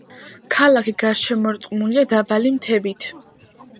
ქალაქი გარშემორტყმულია დაბალი მთებით.